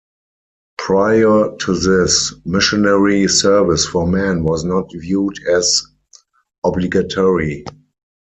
Prior to this, missionary service for men was not viewed as obligatory.